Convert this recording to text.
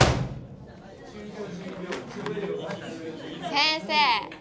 先生